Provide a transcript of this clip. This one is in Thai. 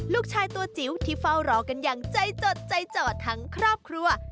ลูกชายตัวจิ๋วที่เฝ้ารอกันอย่างใจจดใจจ่อทั้งครอบครัว